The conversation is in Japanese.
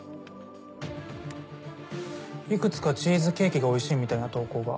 いくつか「チーズケーキがおいしい」みたいな投稿が。